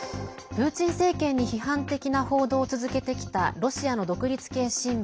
プーチン政権に批判的な報道を続けてきたロシアの独立系新聞